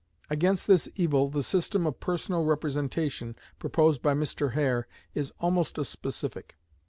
Against this evil the system of personal representation proposed by Mr. Hare is almost a specific.